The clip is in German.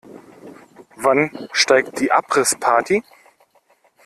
Wann steigt die Abrissparty?